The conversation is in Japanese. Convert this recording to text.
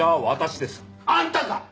あんたか！